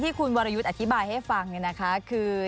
ที่คุณวารยุทธ์อธิบายให้ฟังไว้นะคะคือ